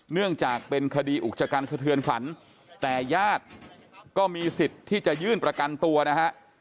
เนื่องจากเป็นคดีอุกชกันสะเทือนขวัญแต่ญาติก็มีสิทธิ์ที่จะยื่นประกันตัวนะฮะ